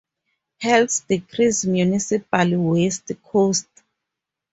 Helps decrease municipal waste costs.